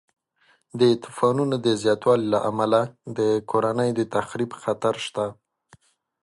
د طوفانونو د زیاتوالي له امله د کورنیو د تخریب خطر شته.